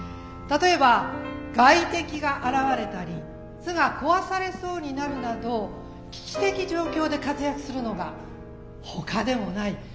例えば外敵が現れたり巣が壊されそうになるなど危機的状況で活躍するのがほかでもない